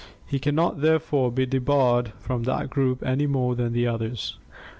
He can not therefore be debarred from that group any more than the others.